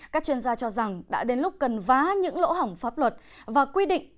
các chuyên gia cho rằng đã đến lúc cần vá những lỗ hỏng pháp luật và quy định